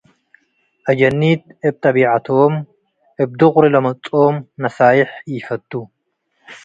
አጀኒት እብ ጠቢዐቶም፡ እብ ዱቅሪ ለመጽኦም ነሳዬሕ ኢፈቱ።